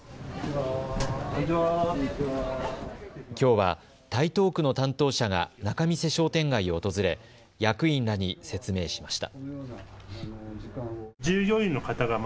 きょうは台東区の担当者が仲見世商店街を訪れ役員らに説明しました。